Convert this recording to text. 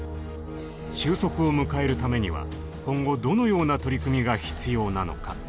終息を迎えるためには今後どのような取り組みが必要なのか。